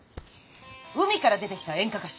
海から出てきた演歌歌手。